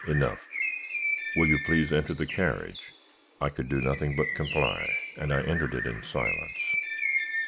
Enough. Will you please to enter the carriage?' "I could do nothing but comply, and I entered it in silence.